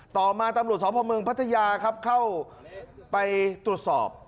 ต่อมาตำรวจสพเมืองพัทยาครับเข้าไปตรวจสอบ